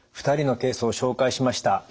２人のケースを紹介しました。